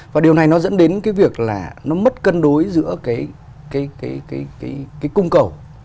và điều này nó dẫn đến cái việc là nó mất cân đối giữa cái cung cầu